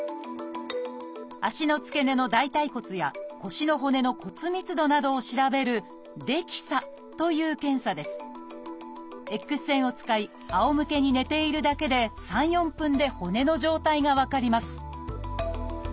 足の付け根の大腿骨や腰の骨の骨密度などを調べるＸ線を使いあおむけに寝ているだけで３４分で骨の状態が分かります